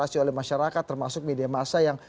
demonstrasi oleh masyarakat termasuk media massa yang